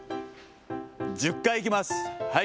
１０回いきます。